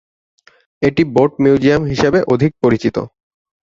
এটি boat museum হিসাবে অধিক পরিচিত।